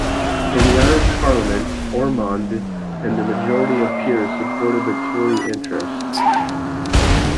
In the Irish Parliament Ormonde and the majority of peers supported the Tory interest.